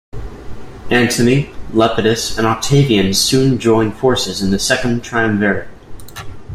Antony, Lepidus, and Octavian soon joined forces in the Second Triumvirate.